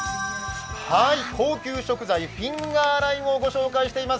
高級食材フィンガーライムをご紹介しています。